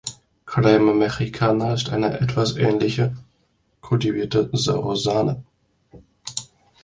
„Crema Mexicana“ ist eine etwas ähnliche kultivierte saure Sahne.